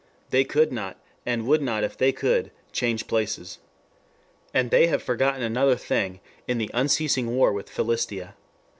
They could not, and would not if they could, change places. And they have forgotten another thing in the unceasing war with Philistia.